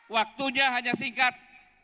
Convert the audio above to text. waktunya hanya singkat